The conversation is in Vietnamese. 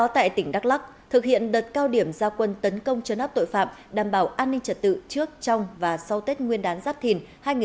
tại tỉnh đắk lắc thực hiện đợt cao điểm gia quân tấn công chấn áp tội phạm đảm bảo an ninh trật tự trước trong và sau tết nguyên đán giáp thìn hai nghìn hai mươi bốn